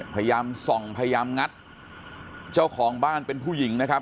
พยายามส่องพยายามงัดเจ้าของบ้านเป็นผู้หญิงนะครับ